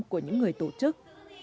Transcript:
của những người tổ chức